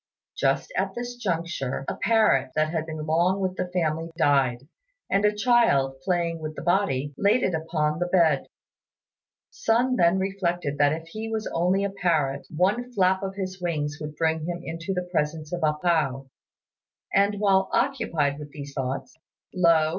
Just at this juncture a parrot that had been long with the family died; and a child, playing with the body, laid it upon the bed. Sun then reflected that if he was only a parrot one flap of his wings would bring him into the presence of A pao; and while occupied with these thoughts, lo!